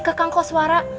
ke kang koswara